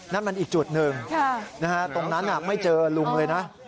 นั่นมันอีกจุดหนึ่งตรงนั้นไม่เจอลุงเลยนะ